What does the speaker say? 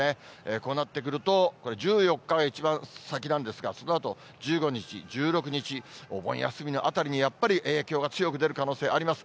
こうなってくると、１４日が一番先なんですが、そのあと、１５日、１６日、お盆休みのあたりにやっぱり、影響が強く出る可能性あります。